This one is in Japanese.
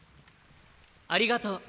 ありがとう。